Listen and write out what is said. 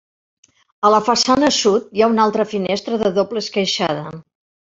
A la façana sud hi ha una altra finestra de doble esqueixada.